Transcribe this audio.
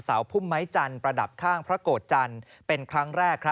พุ่มไม้จันทร์ประดับข้างพระโกรธจันทร์เป็นครั้งแรก